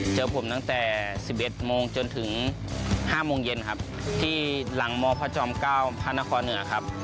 เจอผมตั้งแต่๑๑โมงจนถึง๕โมงเย็นครับที่หลังมพระจอม๙พระนครเหนือครับ